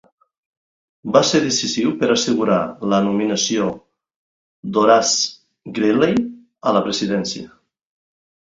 Va ser decisiu per assegurar la nominació d'Horace Greeley a la presidència.